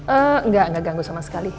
enggak enggak ganggu sama sekali